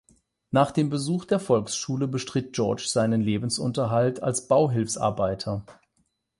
Nach dem Besuch der Volksschule bestritt Gorges seinen Lebensunterhalt als Bauhilfsarbeiter.